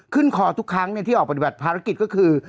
ขึ้นคอทุกครั้งที่ออกปฏิบัติภารกิจก็คือ